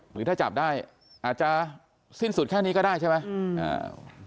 หรือถ้าจับได้อาจจะสิ้นสุดแค่นี้ก็ได้ใช่ไหมอืมอ่า